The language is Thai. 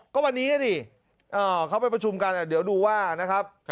ก็วันนี้ดิเขาไปประชุมกันเดี๋ยวดูว่านะครับ